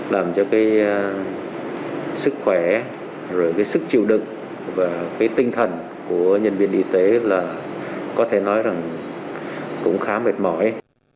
làm cho cái sức khỏe rồi cái sức chịu đựng và cái tinh thần của nhân viên y tế là có thể nói rằng cũng khá mệt mỏi